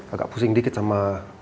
agak pusing dikit sama